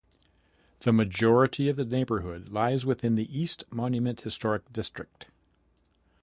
The majority of the neighborhood lies within the East Monument Historic District.